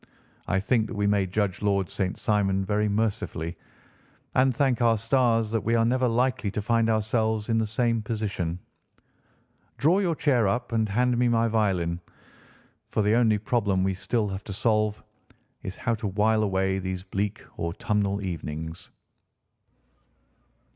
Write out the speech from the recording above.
I think that we may judge Lord St. Simon very mercifully and thank our stars that we are never likely to find ourselves in the same position. Draw your chair up and hand me my violin, for the only problem we have still to solve is how to while away these bleak autumnal evenings."